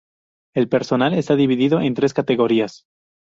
El personal está dividido en tres categorías.